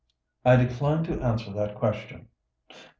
"I decline to answer that question."